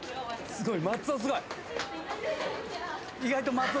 すごい！